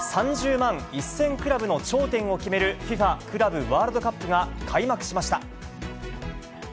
３０万１０００クラブの頂点を決める、ＦＩＦＡクラブワールドカップが開幕しました。